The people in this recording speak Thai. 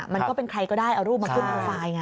มันก็เป็นใครก็ได้เอารูปมาขึ้นโปรไฟล์ไง